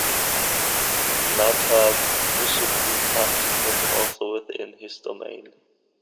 Nakagusuku Castle was also within his domain.